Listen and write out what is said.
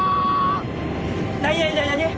何何何何？